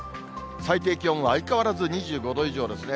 最低気温は相変わらず２５度以上ですね。